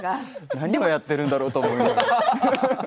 何をやってるんだろうと思いながら。